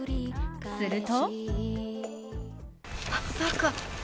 すると。